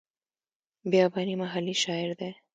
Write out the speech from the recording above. بیاباني محلي شاعر دی.